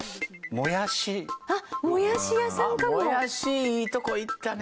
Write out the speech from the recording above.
もやしいいとこいったね！